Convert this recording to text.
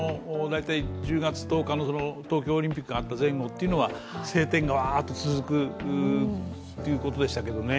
大体１０月１０日の東京オリンピックがあった前後というのは晴天がわっと続くということでしたけどね。